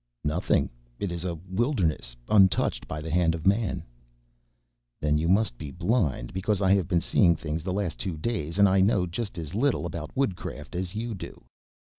"Nothing. It is a wilderness, untouched by the hand of man." "Then you must be blind, because I have been seeing things the last two days, and I know just as little about woodcraft as you do.